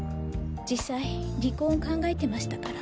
実際離婚を考えてましたから。